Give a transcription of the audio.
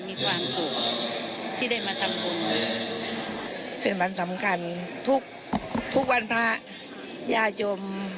มีความสุขที่ได้มาทำบุญเป็นวันสำคัญทุกทุกวันพระญาติยม